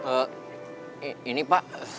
oh ini pak